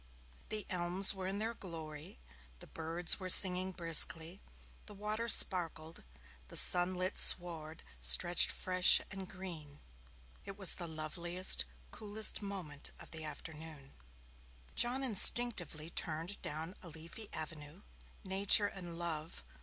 The elms were in their glory, the birds were singing briskly, the water sparkled, the sunlit sward stretched fresh and green it was the loveliest, coolest moment of the afternoon. John instinctively turned down a leafy avenue. Nature and Love!